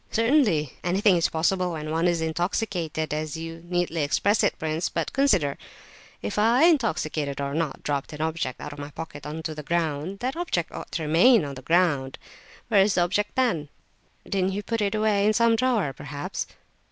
"Certainly. Anything is possible when one is intoxicated, as you neatly express it, prince. But consider—if I, intoxicated or not, dropped an object out of my pocket on to the ground, that object ought to remain on the ground. Where is the object, then?" "Didn't you put it away in some drawer, perhaps?"